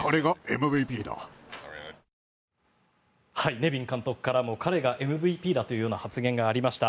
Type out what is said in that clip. ネビン監督からも彼がＭＶＰという発言がありました。